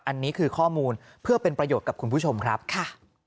อันนี้คือข้อมูลเพื่อเป็นประโยชน์กับคุณผู้ชมครับค่ะ